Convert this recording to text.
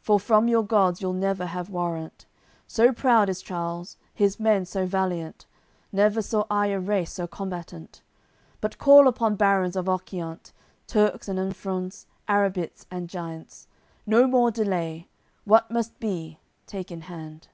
For from your gods you'll never have warrant. So proud is Charles, his men so valiant, Never saw I a race so combatant. But call upon barons of Occiant, Turks and Enfruns, Arrabits and Giants. No more delay: what must be, take in hand."